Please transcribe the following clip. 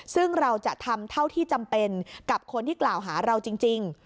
ซึ่งเราจะทำเท่าที่จำเป็นกับคนที่กล่าวหาเราจริง